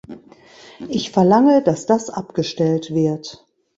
Ich verlange, dass das abgestellt wird!